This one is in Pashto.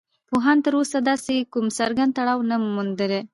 پوهانو تر اوسه داسې کوم څرگند تړاو نه دی موندلی